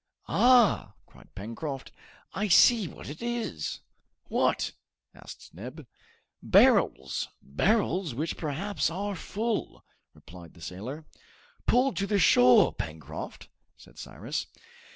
"Ah!" cried Pencroft, "I see what it is!" "What?" asked Neb. "Barrels, barrels, which perhaps are full," replied the sailor. "Pull to the shore, Pencroft!" said Cyrus.